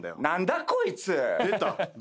何だ⁉こいつ！